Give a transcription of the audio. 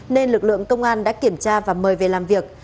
nên lực lượng công an đã kiểm tra và mời về làm việc